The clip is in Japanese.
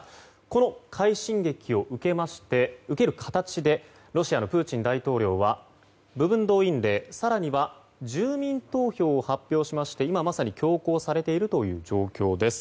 この快進撃を受ける形でロシアのプーチン大統領は部分動員令更には住民投票を発表しまして今まさに強行されているという状況です。